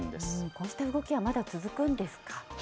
こうした動きはまだ続くんですか？